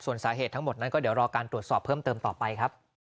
ส่วนสาเหตุทั้งหมดนั้นก็เดี๋ยวรอการตรวจสอบเพิ่มเติมต่อไปครับ